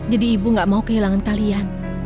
jadi ibu gak mau kehilangan kalian